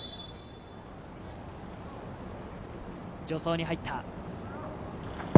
助走に入った。